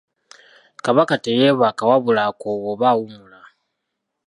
Kabaka teyeebaka wabula akoowa oba awummula.